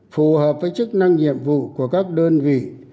phù hợp với chức năng nhiệm vụ của các đơn vị